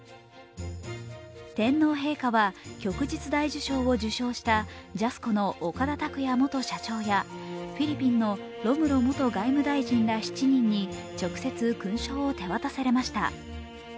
天皇陛下は旭日大綬章を受章したジャスコの岡田卓也元社長や、フィリピンのロムロ元外務大臣ら７人に直接、勲章を手渡されました。